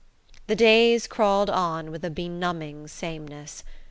The days crawled on with a benumbing sameness.